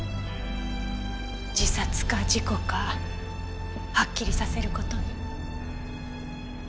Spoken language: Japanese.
自殺か事故かはっきりさせる事に。